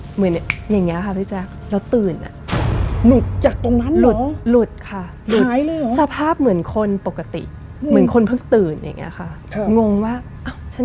เหมือนอย่างนี้ค่ะพี่จ้า